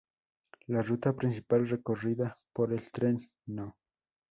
La ruta principal, recorrida por el tren No.